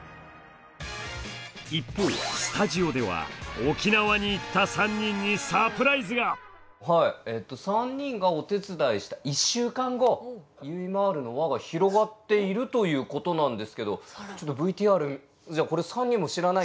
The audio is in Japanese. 一方スタジオでは沖縄に行った３人がお手伝いした１週間後「ゆいまーる」の輪が広がっているということなんですけどちょっとＶＴＲじゃあこれ３人も知らないんだ。